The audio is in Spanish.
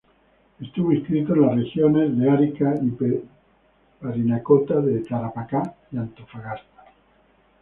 Estuvo inscrito en las regiones de Arica y Parinacota, de Tarapacá y de Antofagasta.